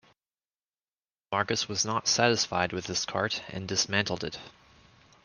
Marcus was not satisfied with this cart and dismantled it.